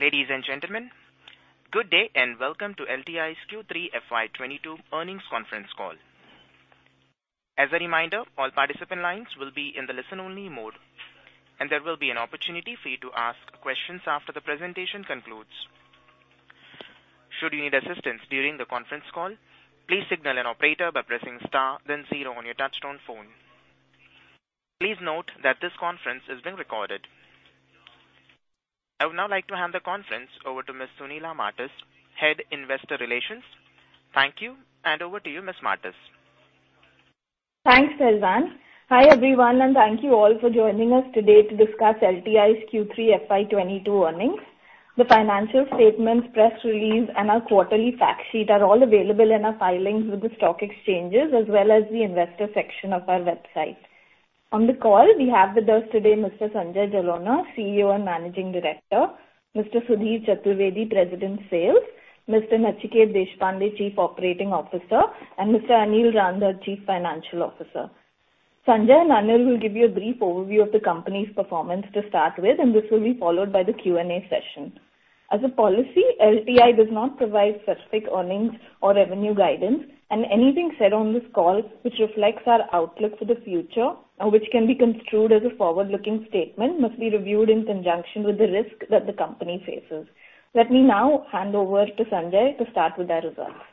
Ladies and gentlemen, good day and welcome to LTI's Q3 FY 2022 earnings conference call. As a reminder, all participant lines will be in the listen-only mode, and there will be an opportunity for you to ask questions after the presentation concludes. Should you need assistance during the conference call, please signal an operator by pressing star then zero on your touch-tone phone. Please note that this conference is being recorded. I would now like to hand the conference over to Ms. Sunila Martis, Head, Investor Relations. Thank you, and over to you, Ms. Martis. Thanks, Elvan. Hi, everyone, and thank you all for joining us today to discuss LTI's Q3 FY 2022 earnings. The financial statements, press release, and our quarterly fact sheet are all available in our filings with the stock exchanges as well as the investor section of our website. On the call we have with us today Mr. Sanjay Jalona, CEO and Managing Director, Mr. Sudhir Chaturvedi, President Sales, Mr. Nachiket Deshpande, Chief Operating Officer, and Mr. Anil Rander, Chief Financial Officer. Sanjay and Anil will give you a brief overview of the company's performance to start with, and this will be followed by the Q&A session. As a policy, LTI does not provide specific earnings or revenue guidance, and anything said on this call which reflects our outlook for the future or which can be construed as a forward-looking statement must be reviewed in conjunction with the risk that the company faces. Let me now hand over to Sanjay to start with our results.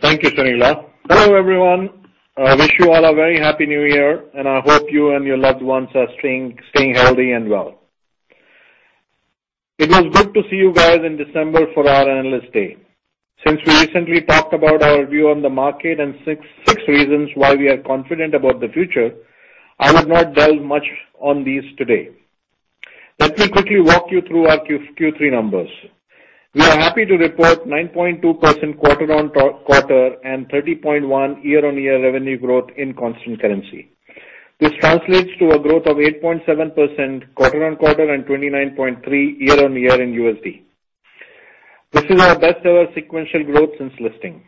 Thank you, Sunila. Hello, everyone. I wish you all a very happy new year, and I hope you and your loved ones are staying healthy and well. It was good to see you guys in December for our Analyst Day. Since we recently talked about our view on the market and six reasons why we are confident about the future, I will not delve much on these today. Let me quickly walk you through our Q3 numbers. We are happy to report 9.2% quarter-on-quarter and 30.1% year-on-year revenue growth in constant currency. This translates to a growth of 8.7% quarter-on-quarter and 29.3% year-on-year in USD. This is our best ever sequential growth since listing.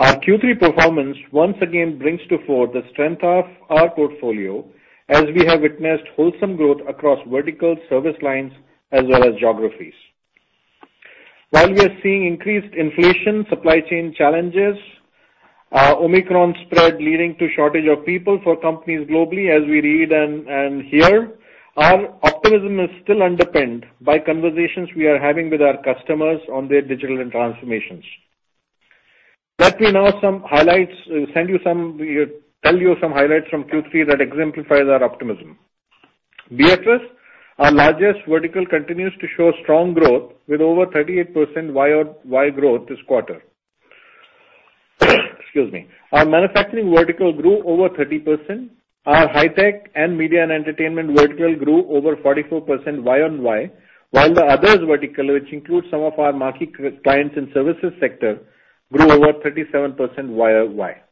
Our Q3 performance once again brings to fore the strength of our portfolio as we have witnessed wholesome growth across verticals, service lines, as well as geographies. While we are seeing increased inflation, supply chain challenges, Omicron spread leading to shortage of people for companies globally, as we read and hear, our optimism is still underpinned by conversations we are having with our customers on their digital transformations. Let me tell you some highlights from Q3 that exemplifies our optimism. BFS, our largest vertical, continues to show strong growth with over 38% YoY growth this quarter. Excuse me. Our manufacturing vertical grew over 30%. Our high tech and media and entertainment vertical grew over 44% year-on-year, while the other vertical, which includes some of our marquee clients and services sector, grew over 37% year-on-year.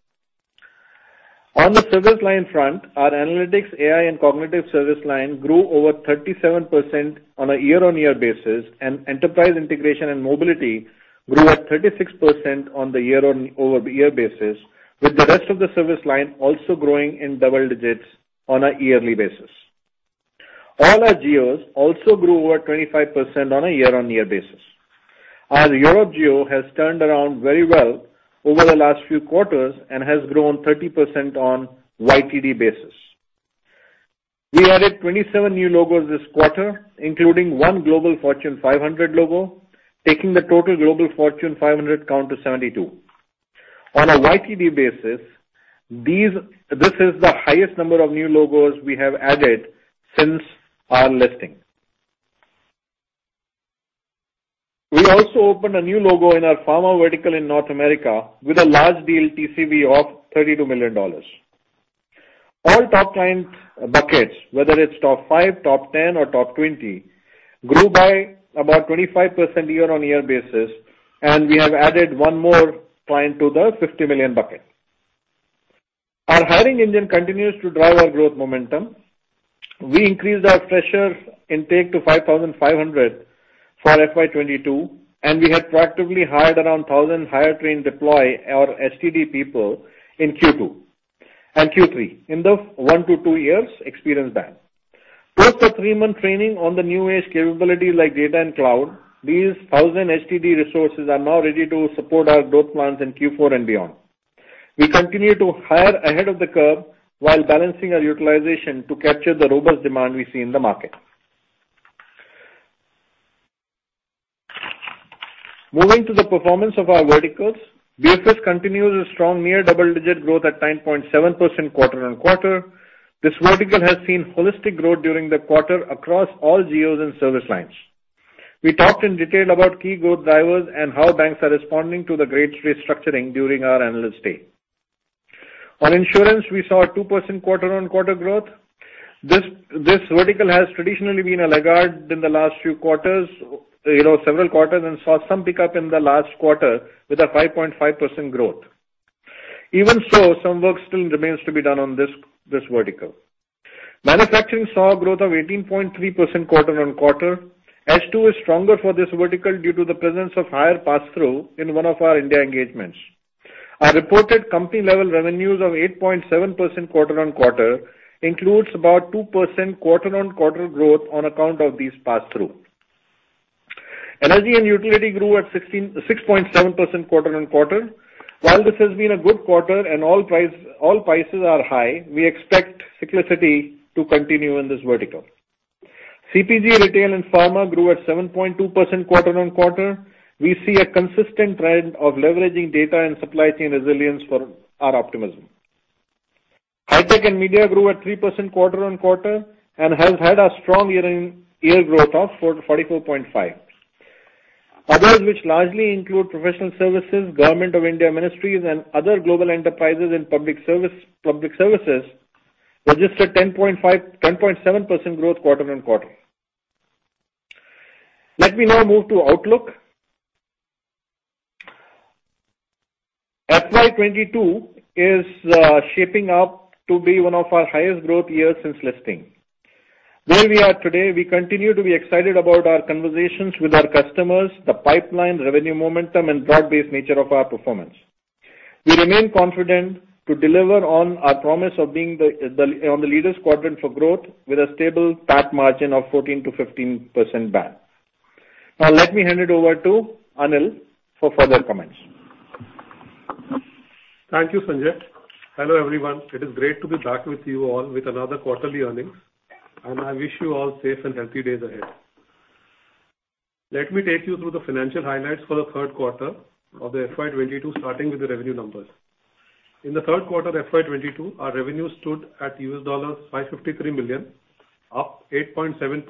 On the service line front, our analytics, AI and cognitive service line grew over 37% on a year-on-year basis, and enterprise integration and mobility grew at 36% on a year-over-year basis, with the rest of the service line also growing in double digits on a yearly basis. All our geos also grew over 25% on a year-on-year basis. Our Europe geo has turned around very well over the last few quarters and has grown 30% on YTD basis. We added 27 new logos this quarter, including one Fortune Global 500 logo, taking the total Fortune Global 500 count to 72. On a YTD basis, this is the highest number of new logos we have added since our listing. We also opened a new logo in our pharma vertical in North America with a large deal TCV of $32 million. All top client buckets, whether it's top five, top 10, or top 20, grew by about 25% year-on-year basis, and we have added 1 more client to the $50 million bucket. Our hiring engine continues to drive our growth momentum. We increased our freshers intake to 5,500 for FY 2022, and we have proactively hired around 1,000 HTD people in Q2 and Q3 in the one-two years experience band. Post a three-month training on the new age capability like data and cloud, these 1,000 HTD resources are now ready to support our growth plans in Q4 and beyond. We continue to hire ahead of the curve while balancing our utilization to capture the robust demand we see in the market. Moving to the performance of our verticals. BFS continues a strong near double-digit growth at 9.7% quarter-on-quarter. This vertical has seen holistic growth during the quarter across all geos and service lines. We talked in detail about key growth drivers and how banks are responding to the great restructuring during our Analyst Day. On insurance, we saw a 2% quarter-on-quarter growth. This vertical has traditionally been a laggard in the last few quarters, you know, several quarters, and saw some pickup in the last quarter with a 5.5% growth. Even so, some work still remains to be done on this vertical. Manufacturing saw a growth of 18.3% quarter-on-quarter. H2 is stronger for this vertical due to the presence of higher pass-through in one of our India engagements. Our reported company-level revenues of 8.7% quarter-on-quarter includes about 2% quarter-on-quarter growth on account of these pass-through. Energy and utility grew at 16.7% quarter-on-quarter. While this has been a good quarter and all prices are high, we expect cyclicity to continue in this vertical. CPG, retail and pharma grew at 7.2% quarter-on-quarter. We see a consistent trend of leveraging data and supply chain resilience for our optimism. High tech and media grew at 3% quarter-on-quarter and has had a strong year-on-year growth of 44.5%. Others which largely include professional services, Government of India ministries, and other global enterprises in public service, public services registered 10.5%-10.7% growth quarter-on-quarter. Let me now move to outlook. FY 2022 is shaping up to be one of our highest growth years since listing. Where we are today, we continue to be excited about our conversations with our customers, the pipeline revenue momentum and broad-based nature of our performance. We remain confident to deliver on our promise of being on the Leaders quadrant for growth with a stable PAT margin of 14%-15% band. Now let me hand it over to Anil for further comments. Thank you, Sanjay. Hello, everyone. It is great to be back with you all with another quarterly earnings, and I wish you all safe and healthy days ahead. Let me take you through the financial highlights for the third quarter of FY 2022, starting with the revenue numbers. In the third quarter FY 2022, our revenue stood at $553 million, up 8.7%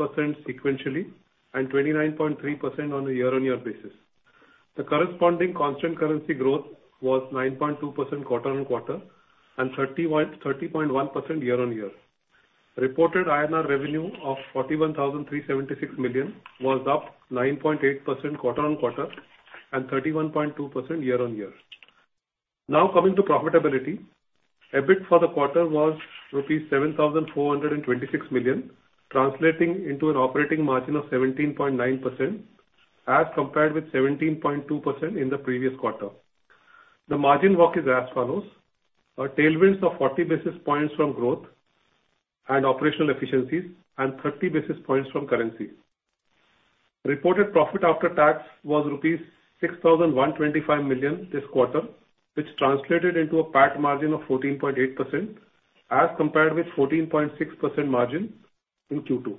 sequentially and 29.3% on a year-on-year basis. The corresponding constant currency growth was 9.2% quarter-on-quarter and 30.1% year-on-year. Reported INR revenue of 41,376 million was up 9.8% quarter-on-quarter and 31.2% year-on-year. Now coming to profitability. EBIT for the quarter was rupees 7,426 million, translating into an operating margin of 17.9% as compared with 17.2% in the previous quarter. The margin walk is as follows. A tailwind of 40 basis points from growth and operational efficiencies and 30 basis points from currency. Reported profit after tax was rupees 6,125 million this quarter, which translated into a PAT margin of 14.8% as compared with 14.6% margin in Q2.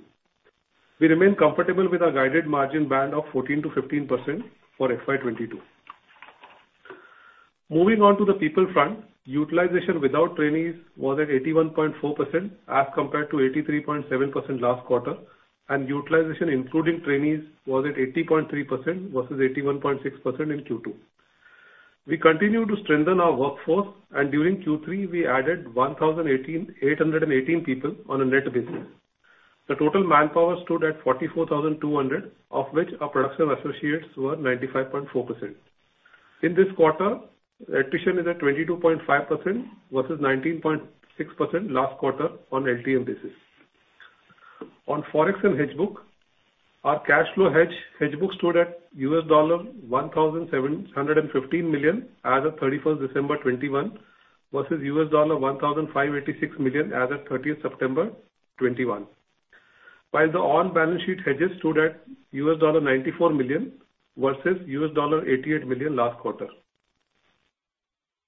We remain comfortable with our guided margin band of 14%-15% for FY 2022. Moving on to the people front. Utilization without trainees was at 81.4% as compared to 83.7% last quarter, and utilization including trainees was at 80.3% versus 81.6% in Q2. We continue to strengthen our workforce and during Q3 we added 1,818 people on a net basis. The total manpower stood at 44,200, of which our production associates were 95.4%. In this quarter, attrition is at 22.5% versus 19.6% last quarter on LTM basis. On Forex and hedge book, our cash flow hedge book stood at $1,715 million as of 31st December 2021 versus $1,586 million as of 30th September 2021. While the on-balance sheet hedges stood at $94 million versus $88 million last quarter.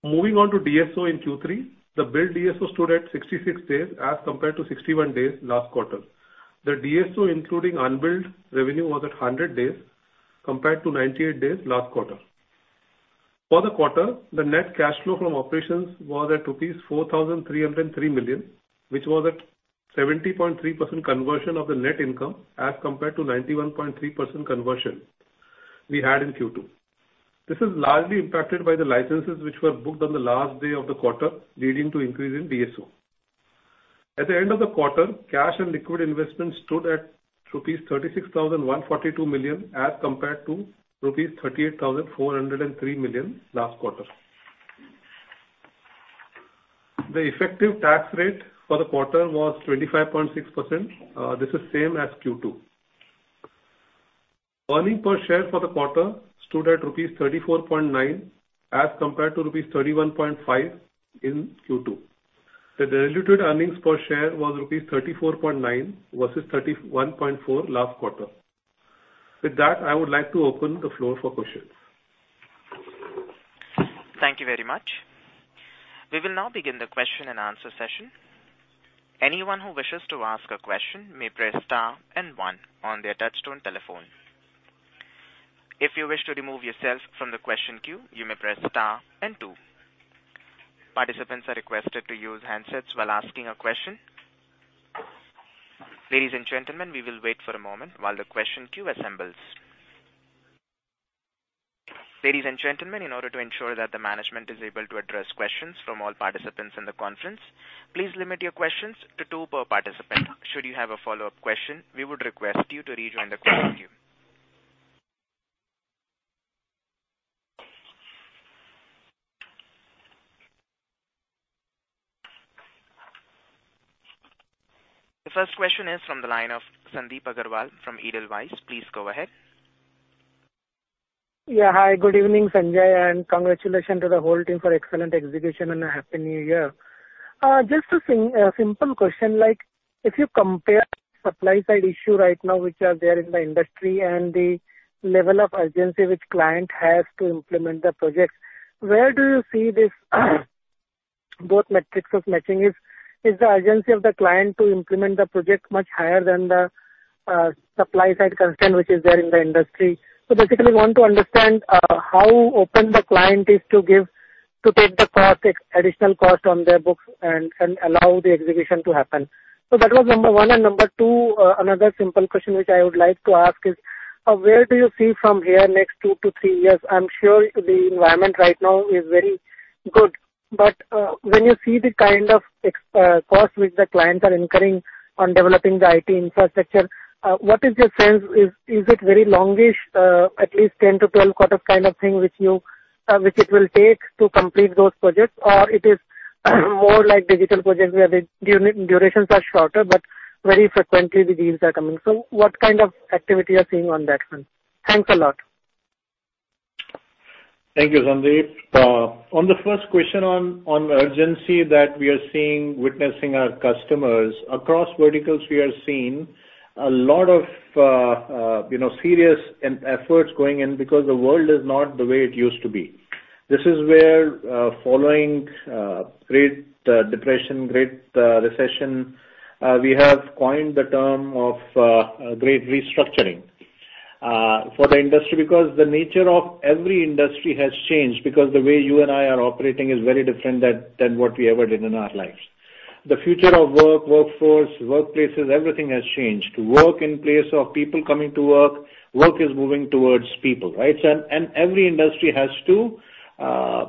Moving on to DSO in Q3. The billed DSO stood at 66 days as compared to 61 days last quarter. The DSO including unbilled revenue was at 100 days compared to 98 days last quarter. For the quarter, the net cash flow from operations was at rupees 4,303 million, which was at 70.3% conversion of the net income as compared to 91.3% conversion we had in Q2. This is largely impacted by the licenses which were booked on the last day of the quarter, leading to increase in DSO. At the end of the quarter, cash and liquid investments stood at rupees 36,142 million as compared to rupees 38,403 million last quarter. The effective tax rate for the quarter was 25.6%. This is same as Q2. Earnings per share for the quarter stood at rupees 34.9 as compared to rupees 31.5 in Q2. The diluted earnings per share was rupees 34.9 versus 31.4 last quarter. With that, I would like to open the floor for questions. Thank you very much. We will now begin the question and answer session. Anyone who wishes to ask a question may press star and one on their touchtone telephone. If you wish to remove yourself from the question queue, you may press star and two. Participants are requested to use handsets while asking a question. Ladies and gentlemen, we will wait for a moment while the question queue assembles. Ladies and gentlemen, in order to ensure that the management is able to address questions from all participants in the conference, please limit your questions to two per participant. Should you have a follow-up question, we would request you to rejoin the question queue. The first question is from the line of Sandip Agarwal from Edelweiss. Please go ahead. Yeah. Hi, good evening, Sanjay, and congratulations to the whole team for excellent execution and a happy New Year. Just a simple question, like if you compare supply side issue right now, which are there in the industry, and the level of urgency which client has to implement the projects, where do you see this both metrics of matching? Is the urgency of the client to implement the project much higher than the supply side constraint which is there in the industry? Basically want to understand how open the client is to give, to take the cost, additional cost on their books and allow the execution to happen. That was number one. Number two, another simple question which I would like to ask is, where do you see from here next two-three years? I'm sure the environment right now is very good, but when you see the kind of cost which the clients are incurring on developing the IT infrastructure, what is your sense? Is it very longish, at least 10-12 quarters kind of thing, which it will take to complete those projects? Or it is more like digital projects, where the durations are shorter, but very frequently the deals are coming. So what kind of activity you're seeing on that front? Thanks a lot. Thank you, Sandip. On the first question on urgency that we are seeing, witnessing our customers across verticals we are seeing a lot of you know, serious R&D efforts going in because the world is not the way it used to be. This is where following Great Depression, Great Recession we have coined the term of Great Restructuring for the industry. Because the nature of every industry has changed because the way you and I are operating is very different than what we ever did in our lives. The future of work, workforce, workplaces, everything has changed. Work in place of people coming to work is moving towards people, right? Every industry has to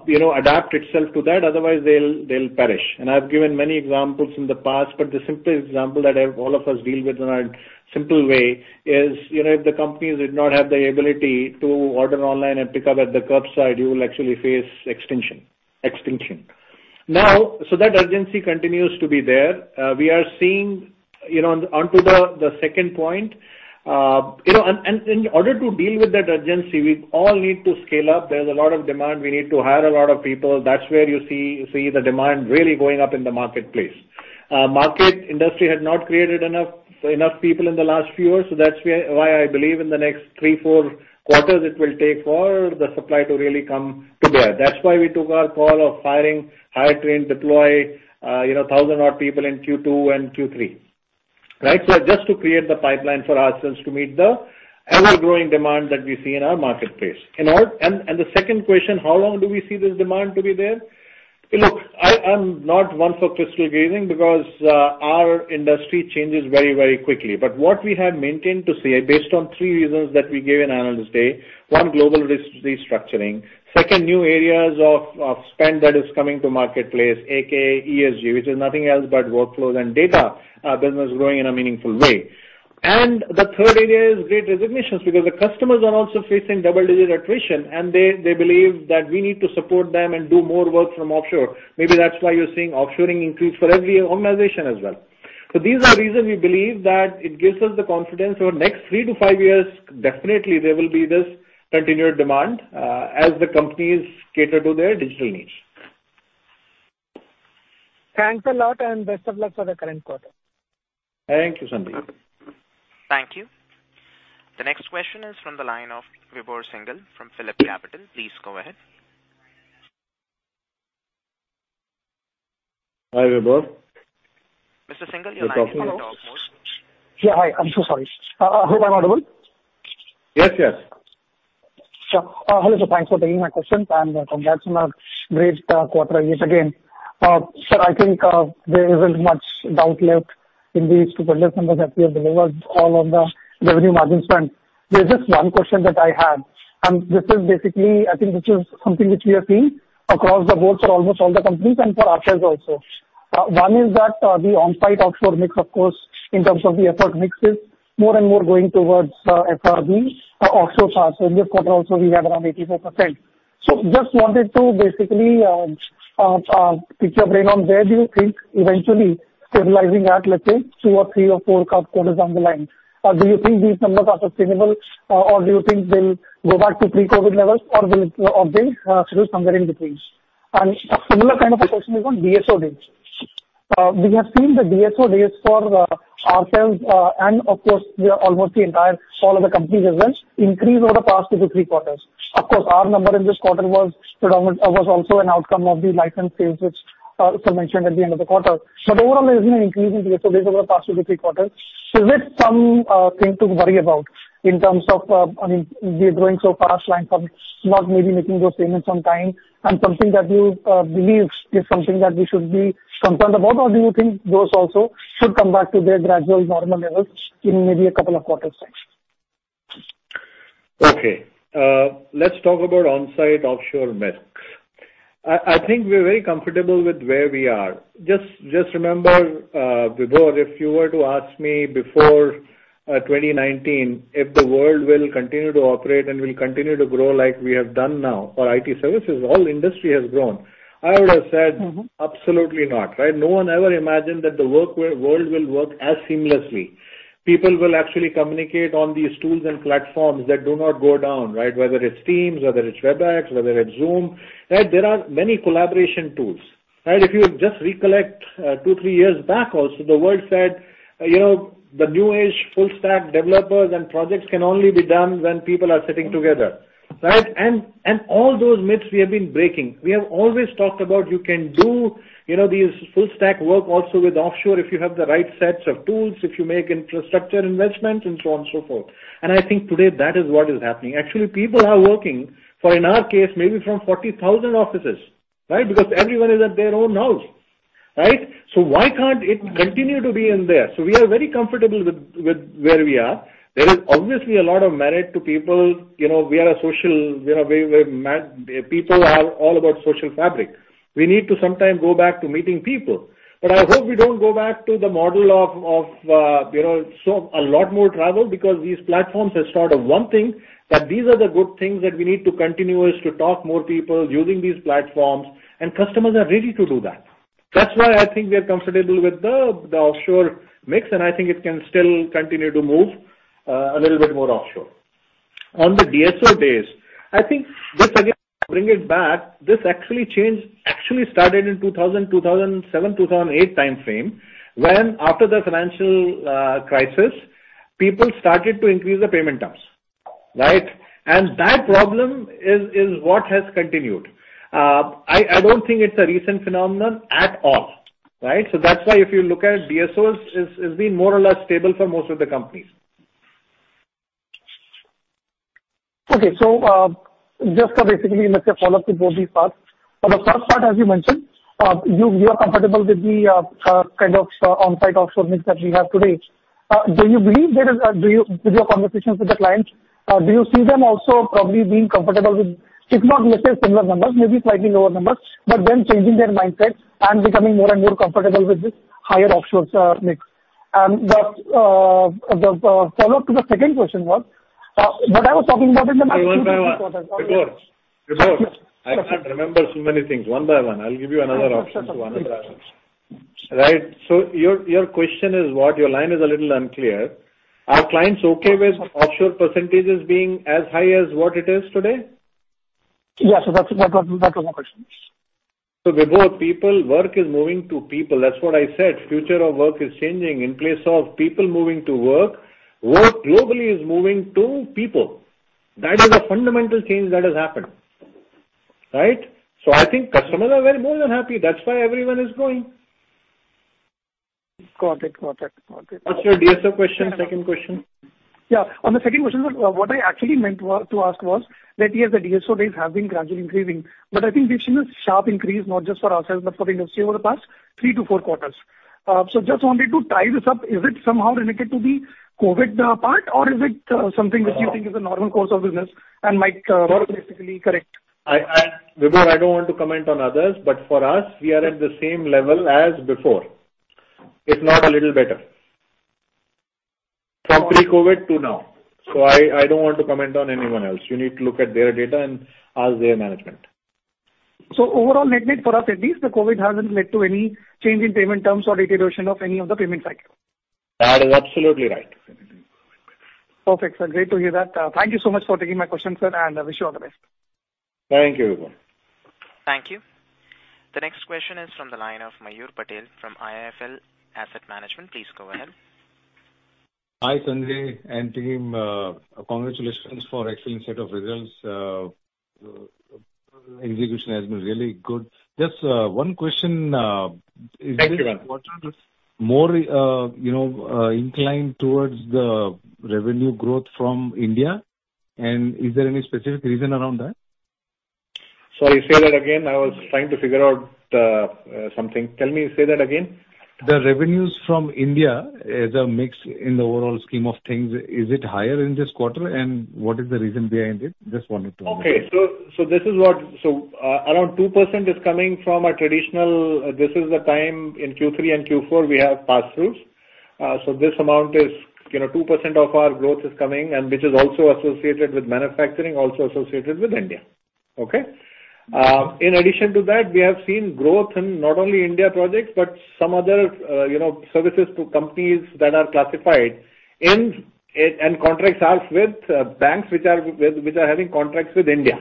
you know adapt itself to that otherwise they'll perish. I've given many examples in the past, but the simplest example that all of us deal with in a simple way is, you know, if the companies did not have the ability to order online and pick up at the curbside, you will actually face extinction. Now, that urgency continues to be there. We are seeing, you know, onto the second point. You know, and in order to deal with that urgency, we all need to scale up. There's a lot of demand. We need to hire a lot of people. That's where you see the demand really going up in the marketplace. Market industry had not created enough people in the last few years, so that's why I believe in the next three, four quarters it will take for the supply to really come together. That's why we took our call of hire, train, deploy, you know, a thousand-odd people in Q2 and Q3. Right? Just to create the pipeline for ourselves to meet the ever-growing demand that we see in our marketplace. The second question, how long do we see this demand to be there? Look, I'm not one for crystal gazing because our industry changes very, very quickly. What we have maintained to say based on three reasons that we gave in Analyst Day, one, global restructuring. Second, new areas of spend that is coming to marketplace, aka ESG, which is nothing else but workflows and data business growing in a meaningful way. The third area is Great Resignation, because the customers are also facing double-digit attrition, and they believe that we need to support them and do more work from offshore. Maybe that's why you're seeing offshoring increase for every organization as well. These are reasons we believe that it gives us the confidence over next three-five years, definitely there will be this continued demand, as the companies cater to their digital needs. Thanks a lot and best of luck for the current quarter. Thank you, Sandip. Thank you. The next question is from the line of Vibhor Singhal from PhillipCapital. Please go ahead. Hi, Vibhor. Mr. Singhal, your line is on talk mode. Can you talk to me? Yeah. Hi. I'm so sorry. I hope I'm audible. Yes, yes. Sure. Hello, sir. Thanks for taking my questions, and congrats on a great quarter yet again. Sir, I think there isn't much doubt left in these two quarter numbers that we have delivered all on the revenue margins front. There's just one question that I had, and this is basically something which we are seeing across the boards for almost all the companies and for ourselves also. One is that the onsite offshore mix of course, in terms of the effort mix is more and more going towards SRV offshore charge. This quarter also we have around 84%. Just wanted to basically pick your brain on where do you think eventually stabilizing at, let's say two or three or four quarters down the line? Do you think these numbers are sustainable, or do you think they'll go back to pre-COVID levels or they settle somewhere in between? A similar kind of a question is on DSO days. We have seen the DSO days for ourselves, and of course we are almost all of the companies as well, increase over the past two-three quarters. Of course, our number in this quarter was also an outcome of the license sales which you mentioned at the end of the quarter. Overall, there's been an increase in DSO days over the past two-three quarters. Is it something to worry about in terms of, I mean, we are growing so fast, clients are not maybe making those payments on time and something that you believe is something that we should be concerned about? Or do you think those also should come back to their gradual normal levels in maybe a couple of quarters' time? Okay. Let's talk about onsite offshore mix. I think we're very comfortable with where we are. Just remember, Vibhor, if you were to ask me before 2019, if the world will continue to operate and will continue to grow like we have done now for IT services, all industry has grown, I would have said- Mm-hmm. Absolutely not, right? No one ever imagined that the work world will work as seamlessly. People will actually communicate on these tools and platforms that do not go down, right? Whether it's Teams, whether it's Webex, whether it's Zoom, right? There are many collaboration tools, right? If you just recollect, two, three years back also, the world said, you know, the new age full stack developers and projects can only be done when people are sitting together, right? And all those myths we have been breaking. We have always talked about you can do, you know, these full stack work also with offshore if you have the right sets of tools, if you make infrastructure investments, and so on and so forth. I think today that is what is happening. Actually, people are working from, in our case, maybe from 40,000 offices, right? Because everyone is at their own house, right? Why can't it continue to be in there? We are very comfortable with where we are. There is obviously a lot of merit to people. You know, people are all about social fabric. We need to sometimes go back to meeting people. I hope we don't go back to the model of you know a lot more travel because these platforms have sort of one thing, that these are the good things that we need to continue is to talk to more people using these platforms, and customers are ready to do that. That's why I think we are comfortable with the offshore mix, and I think it can still continue to move a little bit more offshore. On the DSO days, I think this actually started in 2007, 2008 timeframe, when after the financial crisis, people started to increase the payment terms, right? That problem is what has continued. I don't think it's a recent phenomenon at all, right? That's why if you look at DSOs, it's been more or less stable for most of the companies. Okay. Just basically make a follow-up to both these parts. On the first part, as you mentioned, you are comfortable with the kind of on-site offshore mix that we have today. Do you, with your conversations with the clients, do you see them also probably being comfortable with, if not let's say similar numbers, maybe slightly lower numbers, but them changing their mindset and becoming more and more comfortable with this higher offshore mix? The follow-up to the second question was what I was talking about in the- One by one. Vibhor. Yes, sir. I can't remember so many things. One by one. I'll give you another option to understand. Sure, sure. Right. Your question is what? Your line is a little unclear. Are clients okay with offshore percentages being as high as what it is today? Yes. That was my question. Vibhor, people. Work is moving to people. That's what I said. Future of work is changing. In place of people moving to work globally is moving to people. That is a fundamental change that has happened, right? I think customers are well more than happy. That's why everyone is going. Got it. What's your DSO question, second question? Yeah. On the second question, what I actually meant to ask was that, yes, the DSO days have been gradually increasing, but I think we've seen a sharp increase, not just for ourselves, but for the industry over the past three to four quarters. Just wanted to tie this up. Is it somehow related to the COVID part, or is it something which you think is a normal course of business and might automatically correct? Vibhor, I don't want to comment on others, but for us, we are at the same level as before, if not a little better, from pre-COVID to now. I don't want to comment on anyone else. You need to look at their data and ask their management. Overall net net for us at least, the COVID hasn't led to any change in payment terms or deterioration of any of the payment cycle? That is absolutely right. Perfect, sir. Great to hear that. Thank you so much for taking my questions, sir, and I wish you all the best. Thank you, Vibhor. Thank you. The next question is from the line of Mayur Patel from IIFL Asset Management. Please go ahead. Hi, Sanjay and team. Congratulations for excellent set of results. Execution has been really good. Just one question, Thank you. Is this quarter more, you know, inclined towards the revenue growth from India? And is there any specific reason around that? Sorry, say that again. I was trying to figure out something. Tell me. Say that again. The revenues from India as a mix in the overall scheme of things, is it higher in this quarter? What is the reason behind it? Just wanted to know. Around 2% is coming from our traditional. This is the time in Q3 and Q4 we have pass-throughs. This amount is, you know, 2% of our growth is coming and which is also associated with manufacturing, also associated with India. In addition to that, we have seen growth in not only India projects, but some other, you know, services to companies that are classified in. Contracts are with banks which are having contracts with India.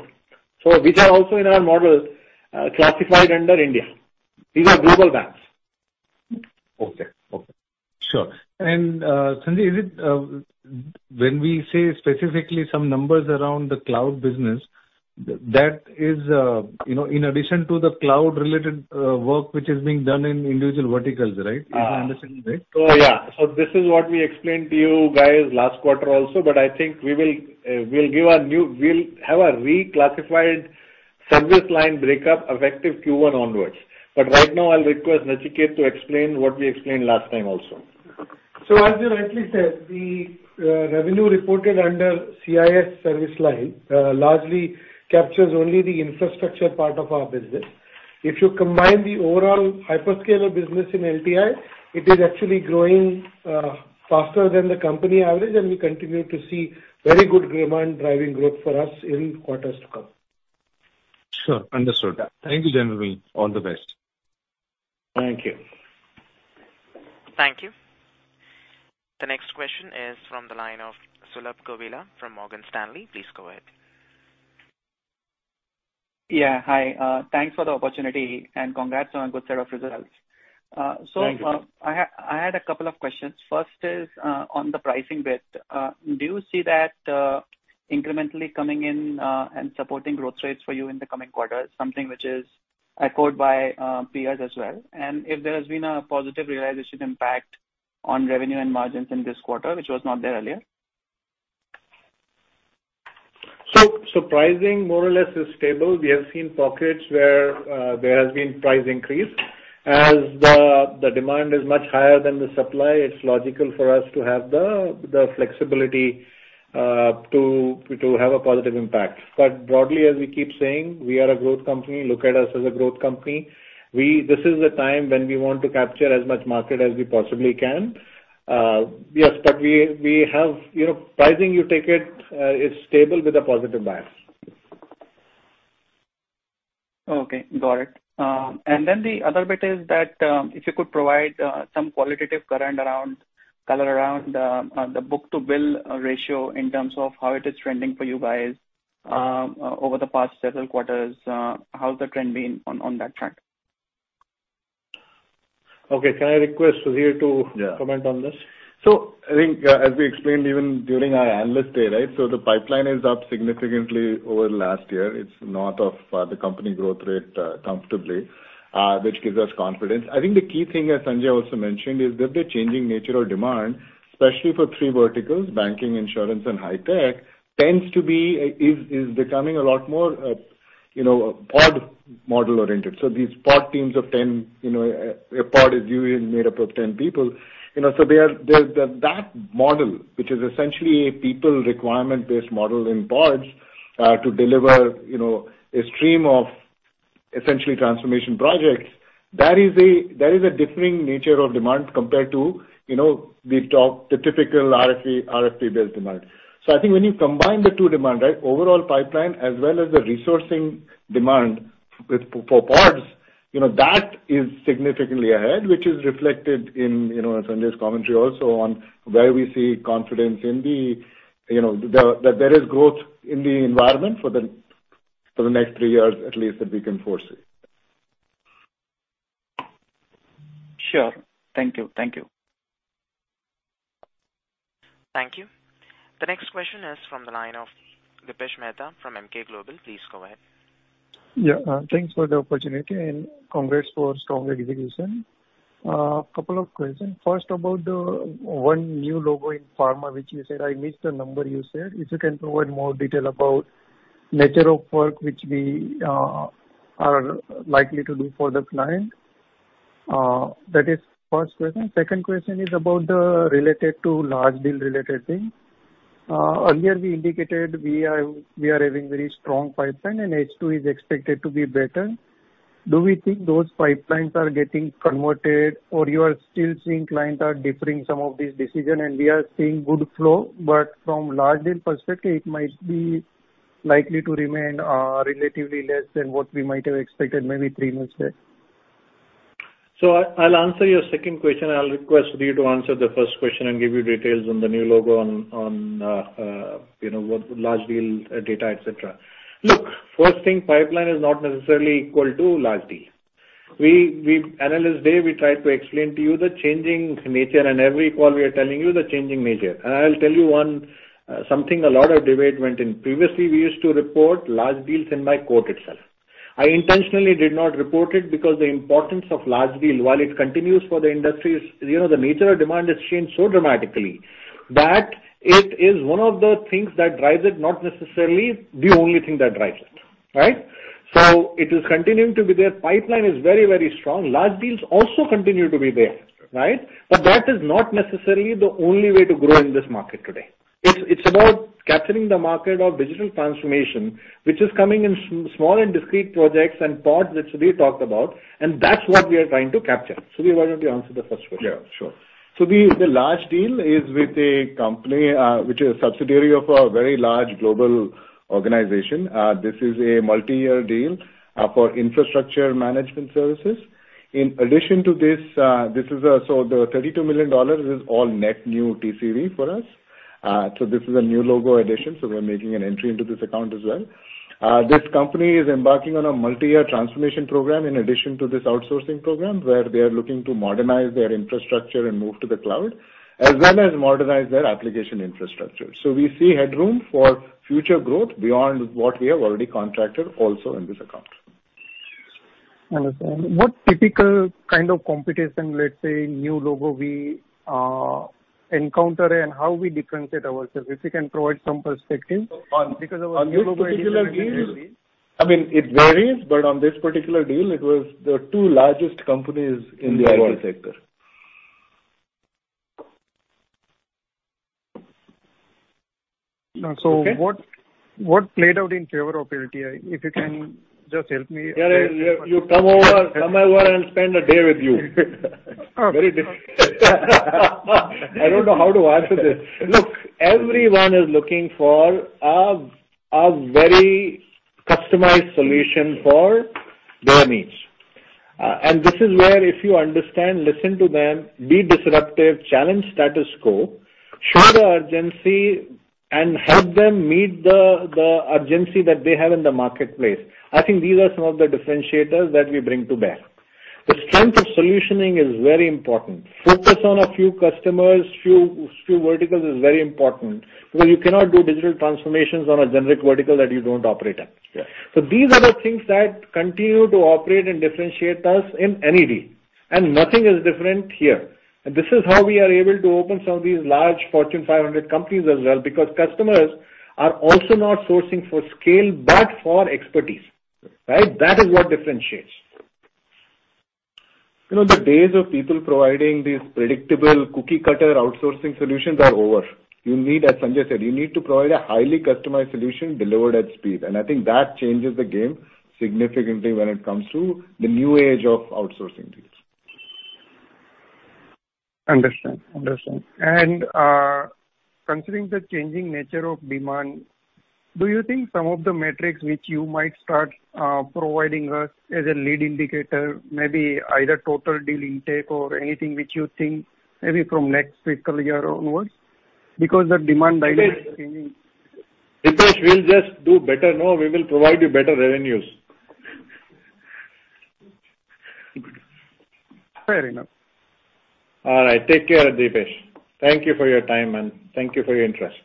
Which are also in our model, classified under India. These are global banks. Okay. Sure. Sanjay, is it when we say specifically some numbers around the cloud business, that is, you know, in addition to the cloud related work which is being done in individual verticals, right? Is my understanding right? This is what we explained to you guys last quarter also, but I think we will have a reclassified service line breakup effective Q1 onwards. Right now I'll request Nachiket to explain what we explained last time also. As you rightly said, the revenue reported under CIS service line largely captures only the infrastructure part of our business. If you combine the overall hyperscaler business in LTI, it is actually growing faster than the company average, and we continue to see very good demand driving growth for us in quarters to come. Sure. Understood. Yeah. Thank you, gentlemen. All the best. Thank you. Thank you. The next question is from the line of Sulabh Govila from Morgan Stanley. Please go ahead. Yeah, hi. Thanks for the opportunity, and congrats on a good set of results. Thank you. I had a couple of questions. First is on the pricing bit. Do you see that incrementally coming in and supporting growth rates for you in the coming quarters, something which is echoed by peers as well, and if there has been a positive realization impact on revenue and margins in this quarter, which was not there earlier? Pricing more or less is stable. We have seen pockets where there has been price increase. As the demand is much higher than the supply, it's logical for us to have the flexibility to have a positive impact. Broadly, as we keep saying, we are a growth company. Look at us as a growth company. This is the time when we want to capture as much market as we possibly can. Yes, but we have, you know, pricing you take it is stable with a positive bias. Okay, got it. The other bit is that if you could provide some color around the book-to-bill ratio in terms of how it is trending for you guys over the past several quarters. How's the trend been on that front? Okay. Can I request Sudhir to- Yeah. Comment on this? I think, as we explained even during our Analyst Day, right, so the pipeline is up significantly over last year. It's north of the company growth rate, comfortably, which gives us confidence. I think the key thing, as Sanjay also mentioned, is that the changing nature of demand, especially for three verticals, Banking, Insurance, and High Tech, is becoming a lot more, you know, pod model oriented. These pod teams of 10, you know, a pod is usually made up of 10 people, you know, so they are. The that model, which is essentially a people requirement-based model in pods, to deliver, you know, a stream of essentially transformation projects, that is a differing nature of demand compared to, you know, the typical RFP-based demand. I think when you combine the two demand, right, overall pipeline as well as the resourcing demand with for pods, you know, that is significantly ahead, which is reflected in, you know, Sanjay's commentary also on where we see confidence in the, you know, the that there is growth in the environment for the for the next three years at least that we can foresee. Sure. Thank you. Thank you. Thank you. The next question is from the line of Dipesh Mehta from Emkay Global. Please go ahead. Yeah. Thanks for the opportunity, and congrats for strong execution. Couple of question. First, about the one new logo in pharma which you said. I missed the number you said. If you can provide more detail about nature of work which we are likely to do for the client. That is first question. Second question is about the related to large deal related thing. Earlier we indicated we are having very strong pipeline and H2 is expected to be better. Do we think those pipelines are getting converted or you are still seeing clients are deferring some of these decision and we are seeing good flow, but from large deal perspective it might be likely to remain relatively less than what we might have expected maybe three months back? I'll answer your second question. I'll request Sudhir to answer the first question and give you details on the new logo on what large deal data, et cetera. Look, first thing, pipeline is not necessarily equal to large deal. Analyst Day we tried to explain to you the changing nature, and every quarter we are telling you the changing nature. I'll tell you one, something a lot of debate went in. Previously, we used to report large deals in my call itself. I intentionally did not report it because the importance of large deal, while it continues for the industries, the nature of demand has changed so dramatically that it is one of the things that drives it, not necessarily the only thing that drives it, right? It is continuing to be there. Pipeline is very, very strong. Large deals also continue to be there, right? That is not necessarily the only way to grow in this market today. It's about capturing the market of digital transformation, which is coming in small and discrete projects and pods that Sudhir talked about, and that's what we are trying to capture. Sudhir, why don't you answer the first question? Yeah, sure. The large deal is with a company which is a subsidiary of a very large global organization. This is a multi-year deal for infrastructure management services. In addition to this, the $32 million is all net new TCV for us. This is a new logo addition, so we're making an entry into this account as well. This company is embarking on a multi-year transformation program in addition to this outsourcing program where they are looking to modernize their infrastructure and move to the cloud, as well as modernize their application infrastructure. We see headroom for future growth beyond what we have already contracted also in this account. Understand. What typical kind of competition, let's say, new logo we encounter and how we differentiate ourselves? If you can provide some perspective. On- Because our logo- On this particular deal, I mean, it varies, but on this particular deal, it was the two largest companies in the auto sector. What played out in favor of LTI? If you can just help me. Yeah, you come over and spend a day with you. Very different. I don't know how to answer this. Look, everyone is looking for a very customized solution for their needs. This is where, if you understand, listen to them, be disruptive, challenge status quo, show the urgency and help them meet the urgency that they have in the marketplace. I think these are some of the differentiators that we bring to bear. The strength of solutioning is very important. Focus on a few customers, few verticals is very important. Because you cannot do digital transformations on a generic vertical that you don't operate in. Yeah. These are the things that continue to operate and differentiate us on any day, and nothing is different here. This is how we are able to open some of these large Fortune 500 companies as well, because customers are also not sourcing for scale, but for expertise, right? That is what differentiates. You know, the days of people providing these predictable cookie-cutter outsourcing solutions are over. You need, as Sanjay said, you need to provide a highly customized solution delivered at speed. I think that changes the game significantly when it comes to the new age of outsourcing deals. Understand. Considering the changing nature of demand, do you think some of the metrics which you might start providing us as a lead indicator, maybe either total deal intake or anything which you think maybe from next fiscal year onwards, because the demand dynamic is changing? Dipesh, we'll just do better, no. We will provide you better revenues. Fair enough. All right. Take care, Dipesh. Thank you for your time, and thank you for your interest.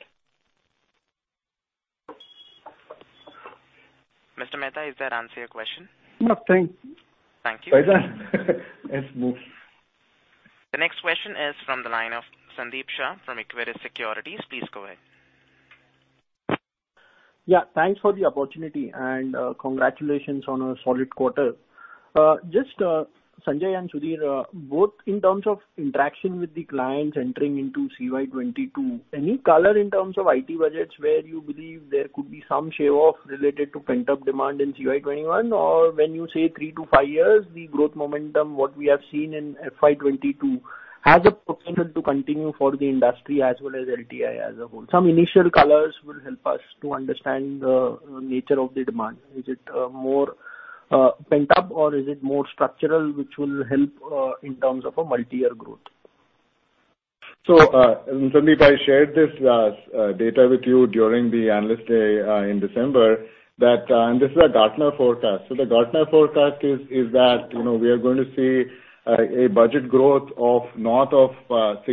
Mr. Mehta, does that answer your question? No, thank you. Thank you. Bye then. Yes, moves. The next question is from the line of Sandeep Shah from Equirus Securities. Please go ahead. Yeah, thanks for the opportunity, and congratulations on a solid quarter. Just Sanjay and Sudhir, both in terms of interaction with the clients entering into CY 2022, any color in terms of IT budgets where you believe there could be some shave off related to pent-up demand in CY 2021? Or when you say three-five years, the growth momentum, what we have seen in FY 2022, has the potential to continue for the industry as well as LTI as a whole? Some initial colors will help us to understand the nature of the demand. Is it more pent-up or is it more structural, which will help in terms of a multi-year growth? Sandeep, I shared this data with you during the analyst day in December, that this is a Gartner forecast. The Gartner forecast is that, you know, we are going to see a budget growth of north of 6%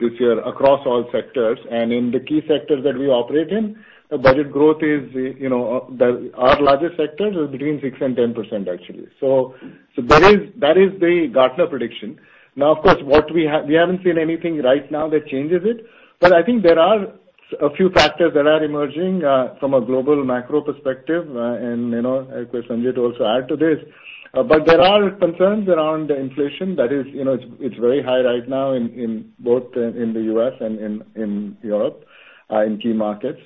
this year across all sectors. In the key sectors that we operate in, the budget growth is, you know, our largest sectors is between 6%-10%, actually. That is the Gartner prediction. Now, of course, what we have, we haven't seen anything right now that changes it. I think there are a few factors that are emerging from a global macro perspective. You know, I'll request Sanjay to also add to this. There are concerns around inflation that is, you know, it's very high right now in both in the U.S. and in Europe in key markets.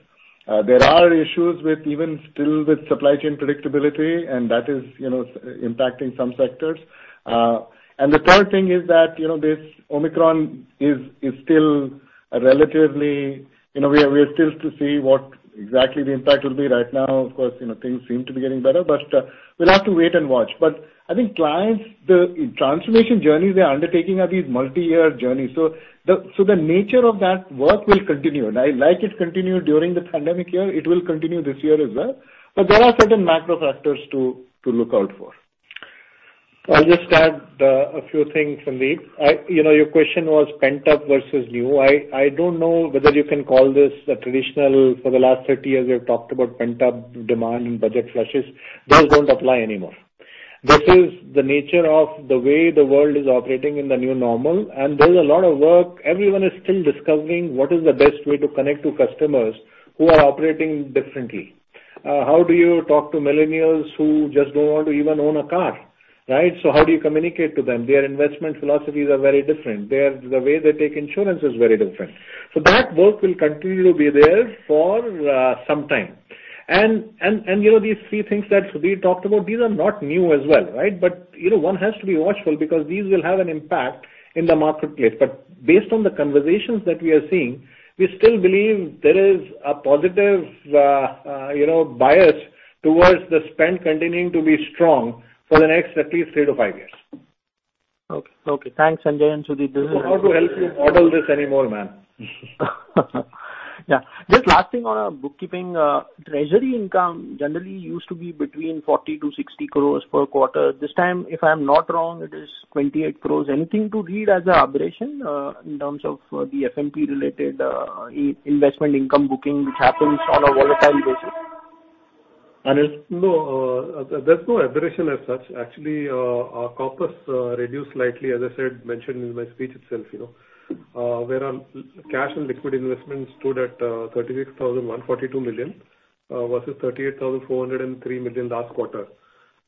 There are issues with even still with supply chain predictability, and that is, you know, impacting some sectors. The third thing is that, you know, this Omicron is still a relatively, you know, we are still to see what exactly the impact will be right now. Of course, you know, things seem to be getting better, but we'll have to wait and watch. I think clients, the transformation journeys they are undertaking are these multi-year journeys. So the nature of that work will continue. Like it continued during the pandemic year, it will continue this year as well. There are certain macro factors to look out for. I'll just add a few things, Sandeep. You know, your question was pent-up versus new. I don't know whether you can call this traditional. For the last 30 years, we have talked about pent-up demand and budget flushes. Those don't apply anymore. This is the nature of the way the world is operating in the new normal, and there's a lot of work. Everyone is still discovering what is the best way to connect to customers who are operating differently. How do you talk to millennials who just don't want to even own a car, right? How do you communicate to them? Their investment philosophies are very different, the way they take insurance is very different. That work will continue to be there for some time. You know, these three things that Sudhir talked about, these are not new as well, right? You know, one has to be watchful because these will have an impact in the marketplace. Based on the conversations that we are seeing, we still believe there is a positive, you know, bias towards the spend continuing to be strong for the next at least three to five years. Okay. Thanks, Sanjay and Sudhir. Don't know how to help you model this anymore, man. Yeah. Just last thing on our bookkeeping. Treasury income generally used to be between 40 crores-60 crores per quarter. This time, if I'm not wrong, it is 28 crores. Anything to read as an aberration in terms of the FMP-related investment income booking, which happens on a volatile basis? Anil? No, there's no aberration as such. Actually, our corpus reduced slightly, as I said, mentioned in my speech itself, you know. Where our cash and liquid investments stood at 36,142 million. Versus 38,403 million last quarter.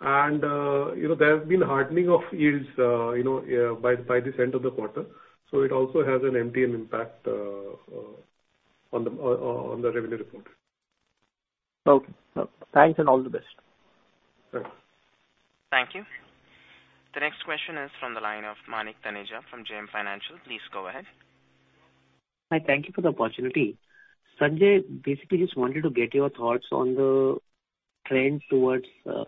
You know, there has been hardening of yields, you know, by this end of the quarter. It also has an MTM impact on the revenue report. Okay. Thanks and all the best. Sure. Thank you. The next question is from the line of Manik Taneja from JM Financial. Please go ahead. Hi. Thank you for the opportunity. Sanjay, basically just wanted to get your thoughts on the trend towards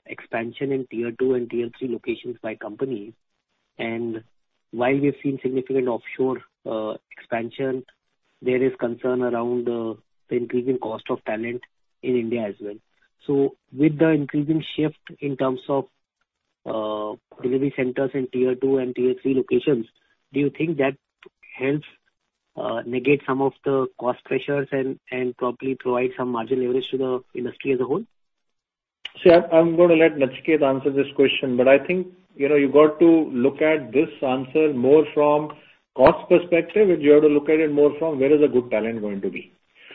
expansion in tier two and tier three locations by companies. While we've seen significant offshore expansion, there is concern around the increasing cost of talent in India as well. With the increasing shift in terms of delivery centers in tier two and tier three locations, do you think that helps negate some of the cost pressures and probably provide some margin leverage to the industry as a whole? I'm gonna let Nachiket answer this question, but I think, you know, you've got to look at this answer more from cost perspective, and you have to look at it more from where is the good talent going to be.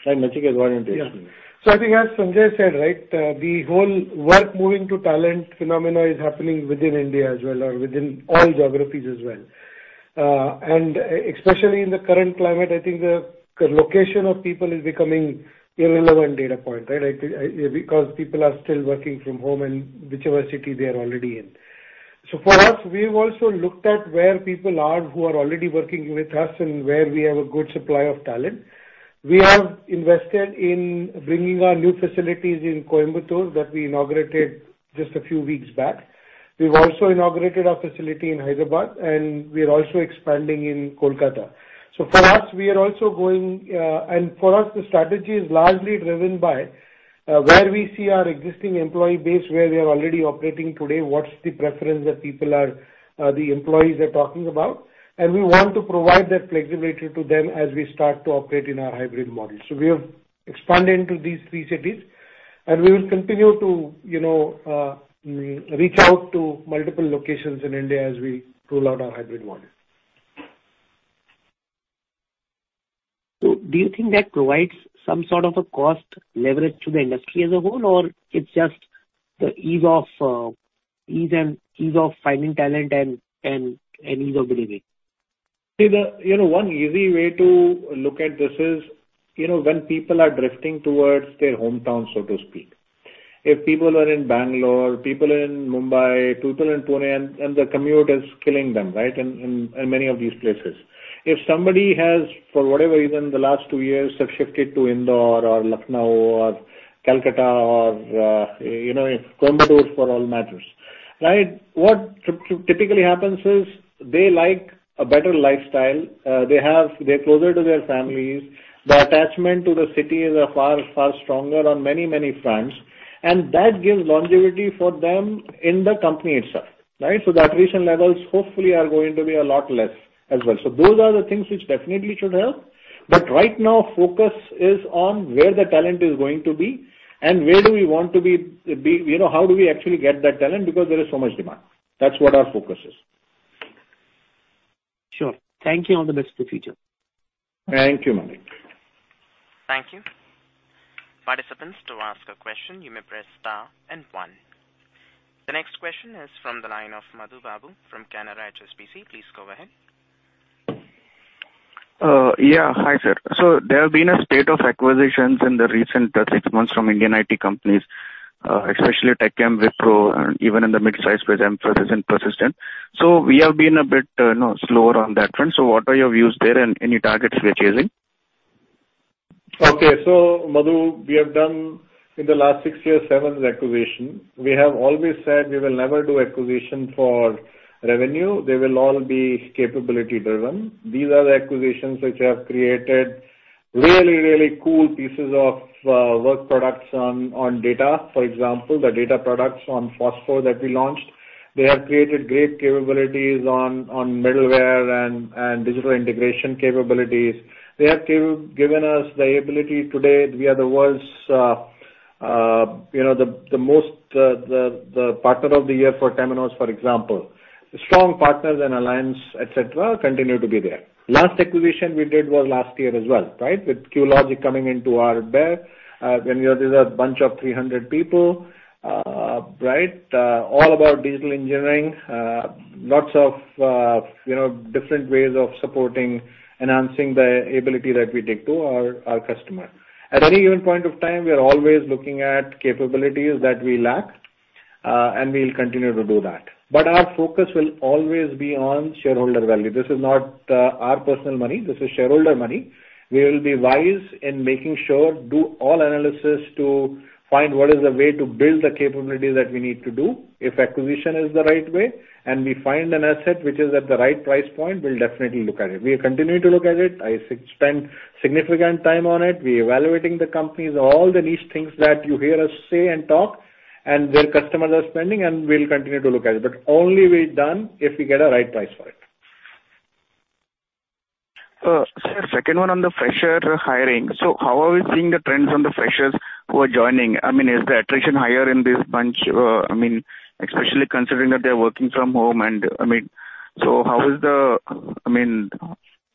Right, Nachiket, go ahead and take this one. I think as Sanjay said, right, the whole war for talent phenomenon is happening within India as well or within all geographies as well. Especially in the current climate, I think the location of people is becoming irrelevant data point, right? Because people are still working from home and whichever city they are already in. For us, we've also looked at where people are who are already working with us and where we have a good supply of talent. We have invested in bringing our new facilities in Coimbatore that we inaugurated just a few weeks back. We've also inaugurated our facility in Hyderabad, and we are also expanding in Kolkata. For us, we are also going. For us the strategy is largely driven by where we see our existing employee base, where we are already operating today, what's the preference that the employees are talking about. We want to provide that flexibility to them as we start to operate in our hybrid model. We have expanded into these three cities, and we will continue to, you know, reach out to multiple locations in India as we roll out our hybrid model. Do you think that provides some sort of a cost leverage to the industry as a whole, or it's just the ease of finding talent and ease of delivery? You know, one easy way to look at this is, you know, when people are drifting towards their hometown, so to speak. If people are in Bangalore, people are in Mumbai, people in Pune, and the commute is killing them, right, in many of these places. If somebody has, for whatever reason, the last two years have shifted to Indore or Lucknow or Kolkata or, you know, in Coimbatore for all matters, right? What typically happens is they like a better lifestyle. They're closer to their families. The attachment to the city is far, far stronger on many, many fronts, and that gives longevity for them in the company itself, right? Those are the things which definitely should help. Right now focus is on where the talent is going to be and where do we want to be. You know, how do we actually get that talent because there is so much demand. That's what our focus is. Sure. Thank you. All the best for the future. Thank you, Manik. Thank you. Participants, to ask a question you may press star and one. The next question is from the line of Madhu Babu from Canara HSBC. Please go ahead. Hi, sir. There have been a spate of acquisitions in the recent six months from Indian IT companies, especially Tech Mahindra, Wipro, and even in the midsize space, Infosys and Persistent. We have been a bit, you know, slower on that front. What are your views there, and any targets we are chasing? Madhu, we have done in the last six years 7 acquisitions. We have always said we will never do acquisition for revenue. They will all be capability driven. These are the acquisitions which have created really cool pieces of work products on data. For example, the data products on Fosfor that we launched. They have created great capabilities on middleware and digital integration capabilities. They have given us the ability today, we are the world's most partner of the year for Temenos, for example. Strong partners and alliances, etc., continue to be there. Last acquisition we did was last year as well, right? With Cuelogic coming into our fold, there's a bunch of 300 people. Right? All about digital engineering. Lots of, you know, different ways of supporting, enhancing the ability that we take to our customer. At any given point of time, we are always looking at capabilities that we lack, and we'll continue to do that. Our focus will always be on shareholder value. This is not our personal money. This is shareholder money. We will be wise in making sure do all analysis to find what is the way to build the capabilities that we need to do. If acquisition is the right way and we find an asset which is at the right price point, we'll definitely look at it. We are continuing to look at it. I spend significant time on it. We're evaluating the companies, all the niche things that you hear us say and talk and where customers are spending, and we'll continue to look at it. We'll only be done if we get a right price for it. Sir, second one on the fresher hiring. How are we seeing the trends on the freshers who are joining? I mean, is the attrition higher in this bunch? I mean, especially considering that they're working from home. How is the, I mean,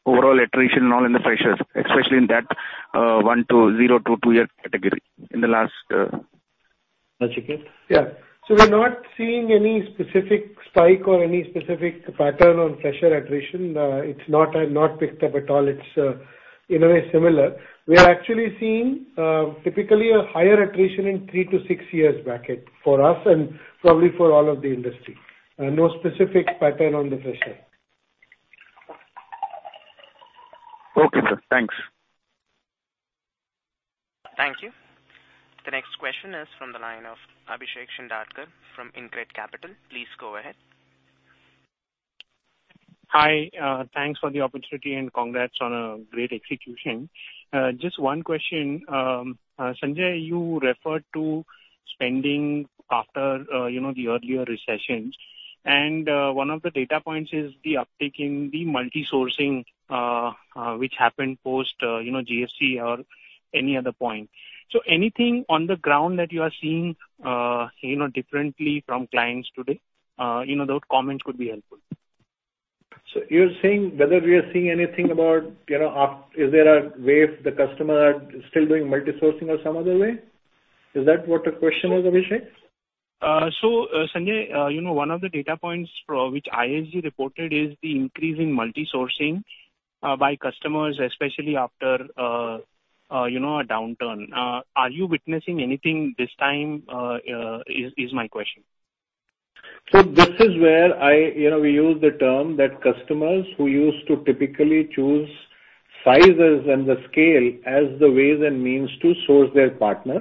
overall attrition all in the freshers, especially in that zero-two-year category in the last... Nachiket? We're not seeing any specific spike or any specific pattern on fresher attrition. It's not picked up at all. It's in a way similar. We are actually seeing typically a higher attrition in three to six years bracket for us and probably for all of the industry. No specific pattern on the fresher. Okay, sir. Thanks. Thank you. The next question is from the line of Abhishek Shindadkar from InCred Capital. Please go ahead. Hi. Thanks for the opportunity and congrats on a great execution. Just one question. Sanjay, you referred to spending after, you know, the earlier recessions, and one of the data points is the uptake in the multi-sourcing, which happened post, you know, GFC or any other point. Anything on the ground that you are seeing, you know, differently from clients today, you know, those comments could be helpful. You're saying whether we are seeing anything about, you know, is there a way the customer are still doing multi-sourcing or some other way? Is that what the question is, Abhishek? Sanjay, you know, one of the data points which ISG reported is the increase in multi-sourcing by customers, especially after you know, a downturn. Are you witnessing anything this time? That is my question. This is where I, you know, we use the term that customers who used to typically choose sizes and the scale as the ways and means to source their partner,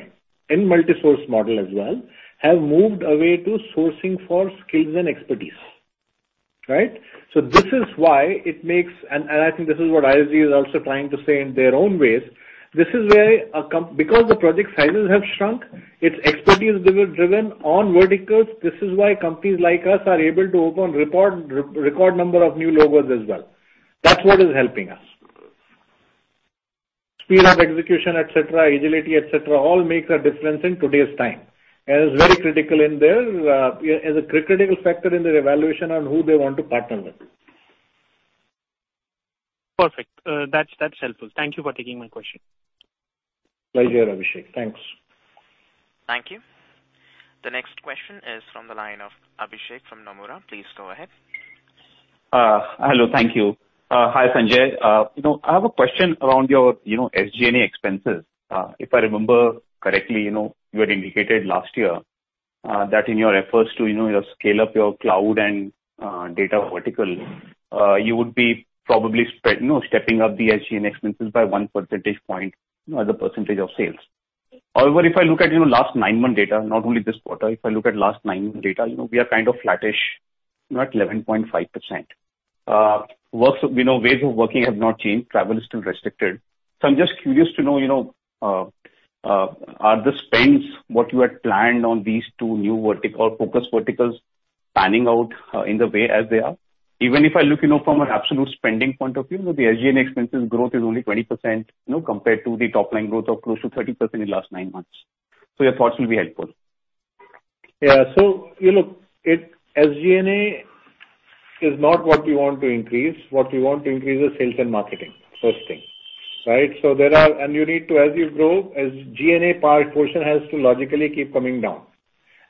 in multi-source model as well, have moved away to sourcing for skills and expertise, right? This is why it makes and I think this is what ISG is also trying to say in their own ways. This is where, because the project sizes have shrunk, it's expertise driven on verticals. This is why companies like us are able to open record number of new logos as well. That's what is helping us. Speed of execution, et cetera, agility, et cetera, all make a difference in today's time, and is very critical in their as a critical factor in their evaluation on who they want to partner with. Perfect. That's helpful. Thank you for taking my question. Pleasure, Abhishek. Thanks. Thank you. The next question is from the line of Abhishek from Nomura. Please go ahead. Hello. Thank you. Hi, Sanjay. You know, I have a question around your SG&A expenses. If I remember correctly, you know, you had indicated last year that in your efforts to scale up your cloud and data vertical, you would be probably spending stepping up the SG&A expenses by one percentage point, you know, the percentage of sales. However, if I look at last nine-month data, not only this quarter, you know, we are kind of flattish, you know, at 11.5%. Ways of working have not changed. Travel is still restricted. I'm just curious to know, you know, are the spends what you had planned on these two new verticals or focus verticals panning out in the way as they are? Even if I look, you know, from an absolute spending point of view, the SG&A expenses growth is only 20%, you know, compared to the top line growth of close to 30% in last nine months. Your thoughts will be helpful. Yeah. You know, SG&A is not what we want to increase. What we want to increase is sales and marketing, first thing, right? You need to, as you grow, as G&A portion has to logically keep coming down.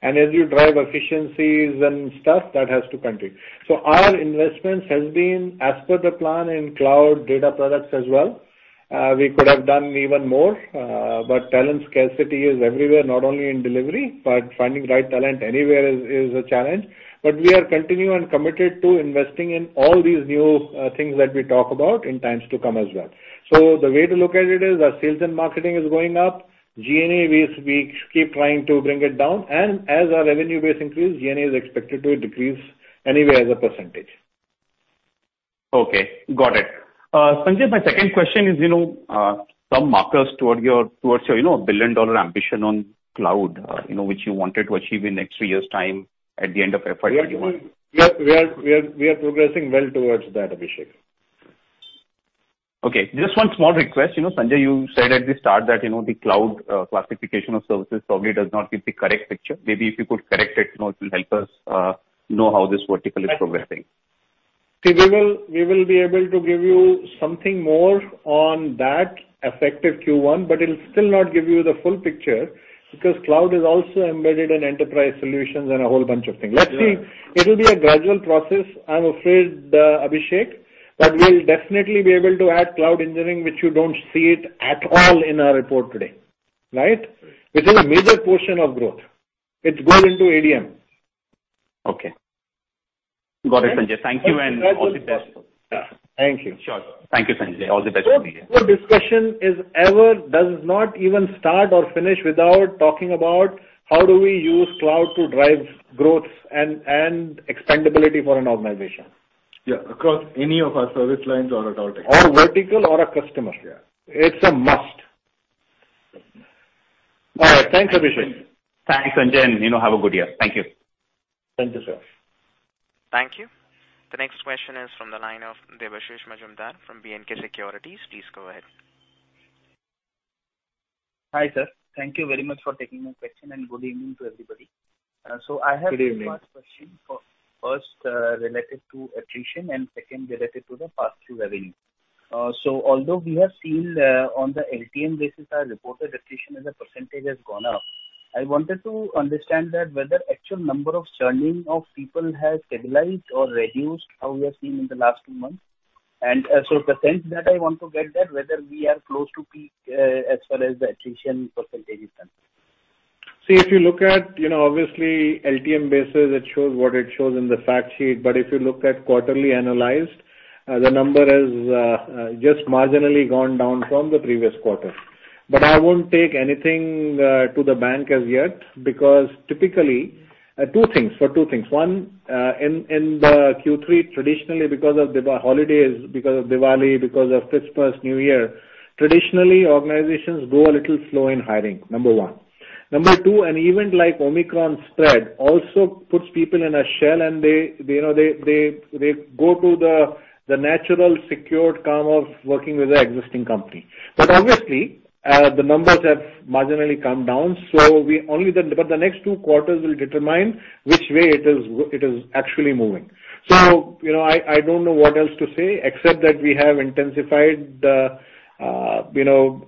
As you drive efficiencies and stuff, that has to continue. Our investments has been as per the plan in cloud data products as well. We could have done even more, but talent scarcity is everywhere, not only in delivery, but finding right talent anywhere is a challenge. We are continue and committed to investing in all these new things that we talk about in times to come as well. The way to look at it is our sales and marketing is going up. G&A, we keep trying to bring it down. As our revenue base increases, G&A is expected to decrease anyway as a percentage. Okay, got it. Sanjay, my second question is, you know, some markers towards your, you know, billion-dollar ambition on cloud, you know, which you wanted to achieve in next three years' time at the end of FY 2021. We are progressing well towards that, Abhishek. Okay. Just one small request. You know, Sanjay, you said at the start that, you know, the cloud classification of services probably does not give the correct picture. Maybe if you could correct it, you know, it will help us know how this vertical is progressing. See, we will be able to give you something more on that effective Q1, but it'll still not give you the full picture because cloud is also embedded in enterprise solutions and a whole bunch of things. Yeah. Let's see. It will be a gradual process, I'm afraid, Abhishek. We'll definitely be able to add cloud engineering, which you don't see it at all in our report today, right? Which is a major portion of growth. It goes into ADM. Okay. Got it, Sanjay. Thank you and all the best. Thank you. Sure. Thank you, Sanjay. All the best for the year. Board-level discussion is never without talking about how do we use cloud to drive growth and expandability for an organization. It does not even start or finish without that. Yeah, across any of our service lines or at all tech. Vertical or a customer. Yeah. It's a must. All right. Thanks, Abhishek. Thanks, Sanjay, and, you know, have a good year. Thank you. Thank you, sir. Thank you. The next question is from the line of Debashish Mazumdar from B&K Securities. Please go ahead. Hi, sir. Thank you very much for taking my question and good evening to everybody. Good evening. I have two parts question. First, related to attrition, and second related to the pass-through revenue. Although we have seen, on the LTM basis, our reported attrition as a percentage has gone up, I wanted to understand that whether actual number of churning of people has stabilized or reduced as we have seen in the last two months. The sense that I want to get that whether we are close to peak, as far as the attrition percentage is concerned. See, if you look at, you know, obviously LTM basis, it shows what it shows in the fact sheet. If you look at quarterly annualized, the number is just marginally gone down from the previous quarter. I won't take anything to the bank as yet because typically two things. One, in the Q3, traditionally because of the holidays, because of Diwali, because of Christmas, New Year, traditionally, organizations go a little slow in hiring. Number one. Number two, an event like Omicron spread also puts people in a shell, and they, you know, go to the natural secured calm of working with the existing company. Obviously, the numbers have marginally come down, so we only then. The next two quarters will determine which way it is actually moving. I don't know what else to say except that we have intensified the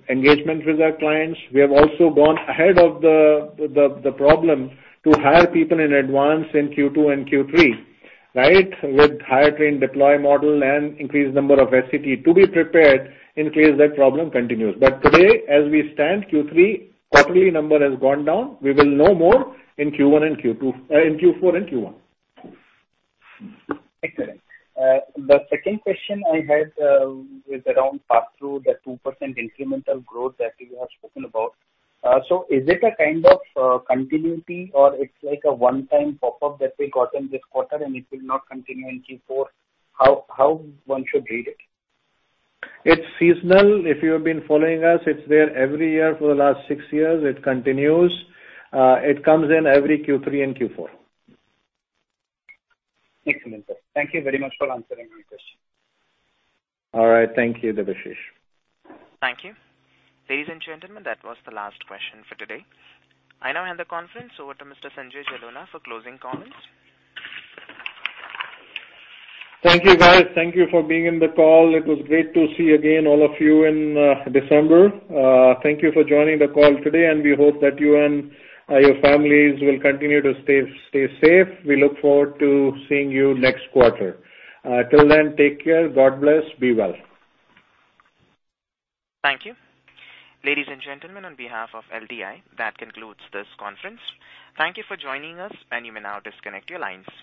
engagement with our clients. We have also gone ahead of the problem to hire people in advance in Q2 and Q3, right? With hire-train-deploy model and increased number of SCT to be prepared in case that problem continues. Today, as we stand in Q3, quarterly number has gone down. We will know more in Q4 and Q1. Excellent. The second question I had is around pass-through, the 2% incremental growth that you have spoken about. Is it a kind of continuity or it's like a one-time pop-up that we got in this quarter and it will not continue in Q4? How one should read it? It's seasonal. If you've been following us, it's there every year for the last six years. It continues. It comes in every Q3 and Q4. Excellent, sir. Thank you very much for answering my question. All right. Thank you, Debashish. Thank you. Ladies and gentlemen, that was the last question for today. I now hand the conference over to Mr. Sanjay Jalona for closing comments. Thank you, guys. Thank you for being in the call. It was great to see again all of you in December. Thank you for joining the call today, and we hope that you and your families will continue to stay safe. We look forward to seeing you next quarter. Till then, take care. God bless. Be well. Thank you. Ladies and gentlemen, on behalf of LTI, that concludes this conference. Thank you for joining us, and you may now disconnect your lines.